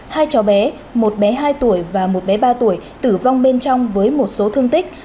hai cháu bé một bé hai tuổi và một bé ba tuổi tử vong bên trong với một số thương tích